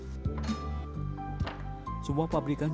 semua pabrikan cerutu ini berasal dari jember